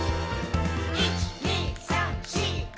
「１．２．３．４．５．」